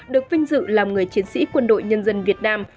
được vinh dự làm người chiến sĩ quân đội nhân dân việt nam